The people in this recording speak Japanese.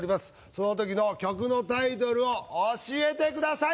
その時の曲のタイトルを教えてください